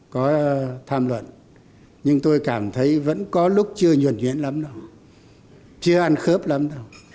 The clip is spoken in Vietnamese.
có tham luận nhưng tôi cảm thấy vẫn có lúc chưa nhuẩn nhuyễn lắm đâu chưa ăn khớp lắm đâu